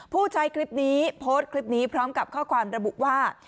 ผู้ใช้คลิปนี้โพสต์คลิปนี้พร้อมกับข้อความระบุว่า